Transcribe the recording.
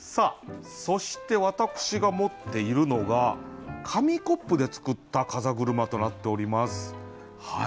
そして私が持っているのが紙コップで作った風車となっております。